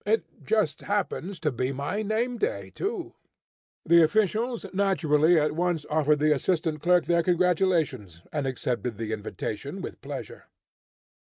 It just happens to be my name day too." The officials naturally at once offered the assistant clerk their congratulations, and accepted the invitation with pleasure.